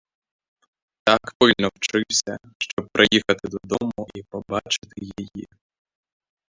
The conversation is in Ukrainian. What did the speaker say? Так пильно вчився, щоб приїхати додому і побачити її.